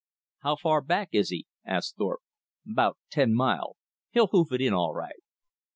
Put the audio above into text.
"How far back is he?" asked Thorpe. "About ten mile. He'll hoof it in all right."